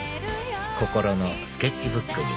心のスケッチブックに